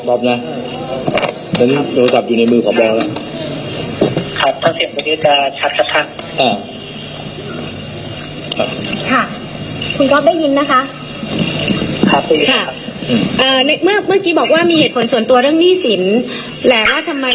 โทษแล้วครับเดี๋ยวกรอบเดี๋ยวจะให้ผู้สินข่าวมาถามตรงนี้ได้ใกล้นะกรอบนะ